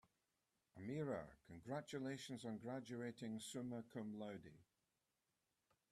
"Amira, congratulations on graduating summa cum laude."